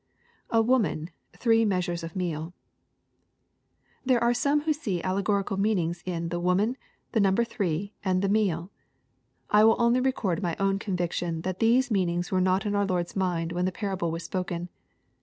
[A wamoH^Mree measures of meed.] There are some who see allegorical meanings in the " woman," the number " three," and the " meal." I will only record my own conviction, that these meanings were not in our Lord's mind when the parable was spoken.